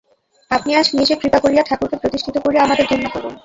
আপনি আজ নিজে কৃপা করিয়া ঠাকুরকে প্রতিষ্ঠিত করিয়া আমাদের ধন্য করুন।